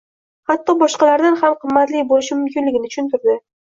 xatto boshqalardan ham qimmatli bo'lishi mumkinligini tushuntirdi.